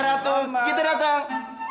ratu kita datang